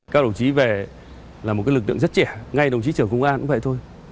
các đồng chí về là một lực lượng rất trẻ ngay đồng chí trưởng công an cũng vậy thôi